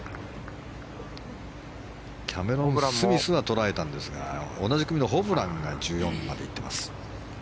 キャメロン・スミスは捉えたんですが同じ組のホブランが１４まで行っています。